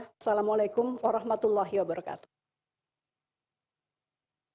assalamu'alaikum warahmatullahi wabarakatuh